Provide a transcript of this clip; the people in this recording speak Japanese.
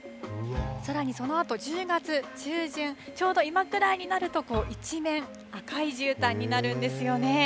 さらにそのあと１０月中旬、ちょうど今くらいになると、一面赤いじゅうたんになるんですよね。